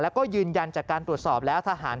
เรื่องของเรื่องเกิดจากเครื่องไฟฟ้าดับ